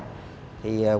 rồi ta liên hạ roz